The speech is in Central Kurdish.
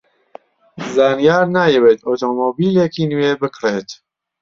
زانیار نایەوێت ئۆتۆمۆبیلێکی نوێ بکڕێت.